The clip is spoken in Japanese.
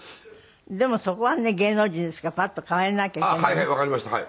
でもそこはね芸能人ですからパッと変われなきゃいけない。